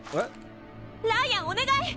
ライアンお願い！